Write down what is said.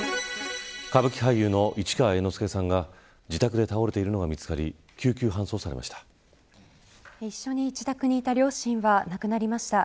歌舞伎俳優の市川猿之助さんが自宅で倒れているのが見つかり一緒に自宅にいた両親は亡くなりました。